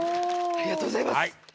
ありがとうございます。